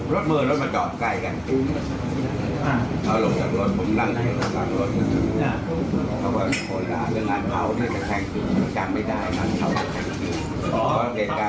รถมือรถมาจอบใกล้กัน